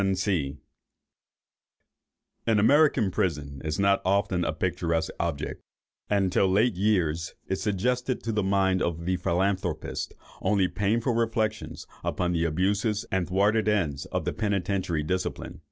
An American prison is not often a picturesque object, and, till late years, it suggested to the mind of the philanthropist only painful reflections upon the abuses and thwarted ends of penitentiary discipline.